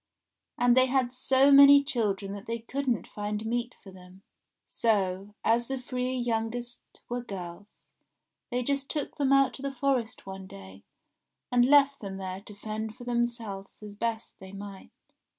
And they had so many children that they couldn't find meat for them ; so, as the three youngest were girls, they just took them out to the forest one day, and left them there to fend for themselves as best they might.